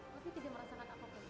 tapi tidak merasakan apa apa